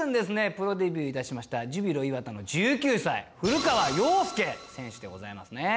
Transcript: プロデビューいたしましたジュビロ磐田の１９歳古川陽介選手でございますね。